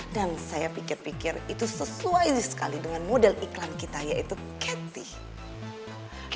dan saya pikir pikir itu sesuai sekali dengan model iklan kita yaitu cathy